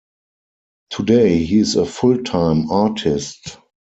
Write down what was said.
Today he is a full-time artist.